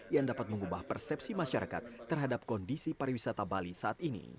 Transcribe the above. yang dapat mengubah persepsi masyarakat terhadap kondisi pariwisata bali saat ini